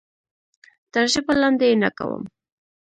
تر ژبه لاندې یې نه کوم.